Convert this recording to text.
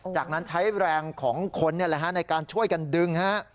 จากนั้นใช้แรงของคนในการช่วยกันดึงฮะ